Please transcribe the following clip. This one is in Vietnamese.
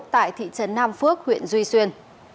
tại thị trấn nam phước huyện duy xuyên